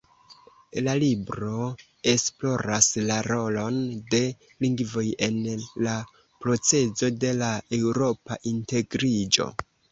La libro esploras la rolon de lingvoj en la procezo de la eŭropa integriĝo.